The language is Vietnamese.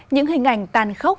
những hình ảnh tàn khốc